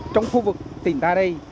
trong khu vực tỉnh ta đây